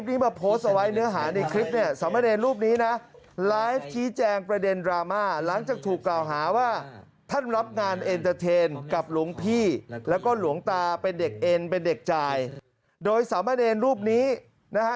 และก็สามารถเนรนด์รูปนี้นะฮะ